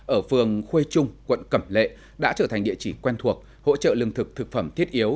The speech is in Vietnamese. ở phường khuê trung quận cẩm lệ đã trở thành địa chỉ quen thuộc hỗ trợ lương thực thực phẩm thiết yếu